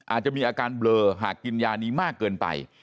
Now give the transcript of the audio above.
อาจจะมีอาการเบลอหากกินยานี้มากเกินไป